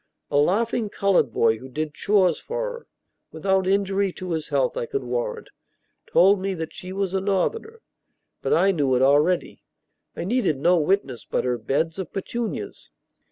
A laughing colored boy who did chores for her (without injury to his health, I could warrant) told me that she was a Northerner. But I knew it already; I needed no witness but her beds of petunias.